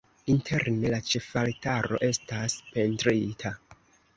Interne la ĉefaltaro estas pentrita.